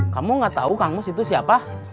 kamu enggak tahu kang mus itu siapa